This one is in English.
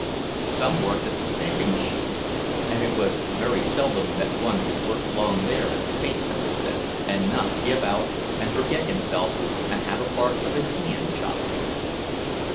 Some worked at the stamping machines, and it was very seldom that one could work long there at the pace that was set, and not give out and forget himself and have a part of his hand chopped off.